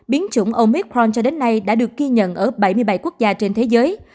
biến chủng omicron cho đến nay đã được ghi nhận ở bảy mươi bảy quốc gia trên thế giới